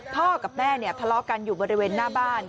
พ่อกับแม่เนี่ยทะเลาะกันอยู่บริเวณหน้าบ้าน